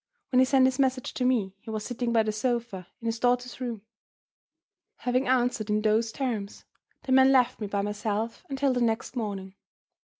When he sent his message to me, he was sitting by the sofa in his daughter's room. Having answered in those terms, the man left me by myself until the next morning.